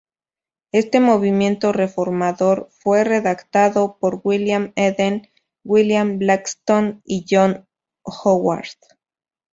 Este movimiento reformador fue redactado por William Eden, William Blackstone y John Howard.